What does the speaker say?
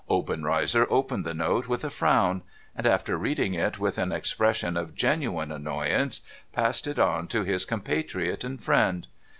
Obenreizer opened the note with a frown ; and, after reading it with an expression of genuine annoyance, passed it on to his compatriot and friend.